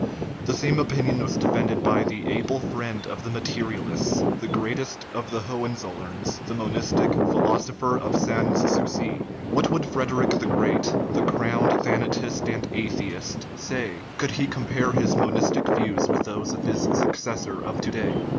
The same opinion was defended by the able friend of the Materialists, the greatest of the Ho henzoilerns, the monistic "philosopher of Sans souci." What would Frederick the Great, the " crowned thana tist and atheist/' say, could he compare his monistic views with those of his successor of to day